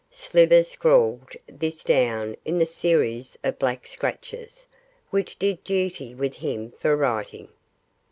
Slivers scrawled this down in the series of black scratches, which did duty with him for writing.